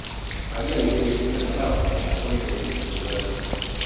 Agian nire bizipena da, baina hori da ikusten dudana.